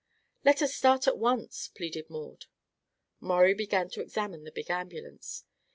"Let us start at once," pleaded Maud. Maurie began to examine the big ambulance.